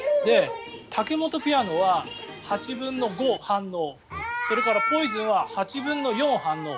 タケモトピアノは８分の５反応それから「ＰＯＩＳＯＮ」は８分の４反応。